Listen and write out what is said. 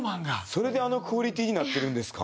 それであのクオリティーになってるんですか。